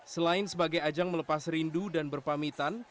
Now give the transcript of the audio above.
selain sebagai ajang melepas rindu dan berpamitan